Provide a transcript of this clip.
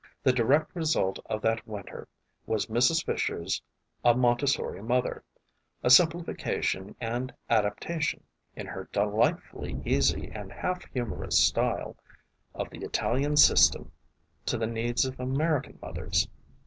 The direct result of that winter was Mrs. Fisher's A Montessori Mother, a simplifi cation and adaptation, in her delightfully easy and half humorous style, of the Italian system to the needs of American mothers.